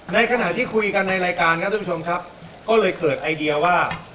ในขณะที่คุยกันในรายการก็เลยเคิดไอเดียว่า